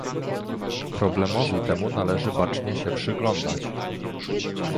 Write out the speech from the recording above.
Problemowi temu należy bacznie się przyglądać